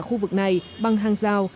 khu vực này bằng hàng rào